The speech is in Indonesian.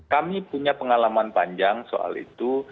kami punya pengalaman panjang soal itu